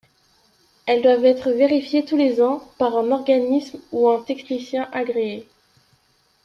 Elles doivent être vérifiées tous les ans par un organisme ou un technicien agréé.